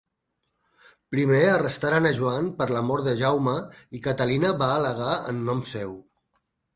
Primer arrestaren a Joan per la mort de Jaume i Catalina va al·legar en nom seu.